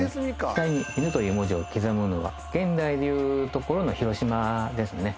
額に犬という文字を刻むのは現代でいうところの広島ですね